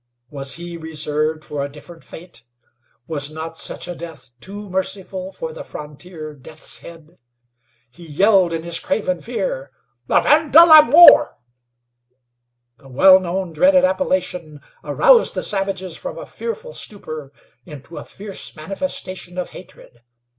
Was he reserved for a different fate? Was not such a death too merciful for the frontier Deathshead? He yelled in his craven fear: "Le vent de la Mort!" The well known, dreaded appellation aroused the savages from a fearful stupor into a fierce manifestation of hatred.